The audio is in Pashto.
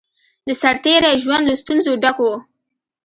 د سرتېری ژوند له ستونزو ډک وو